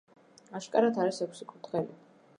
აშკარად არის ექვსი კურდღელი.